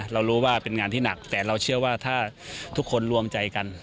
เรารู้ว่าเป็นงานที่หนักแต่เราเชื่อว่าถ้าทุกคนรวมใจกัน